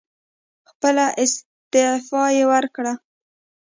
خپله استعفی یې ورکړه.